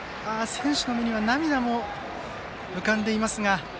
選手の目には涙も浮かんでいますが。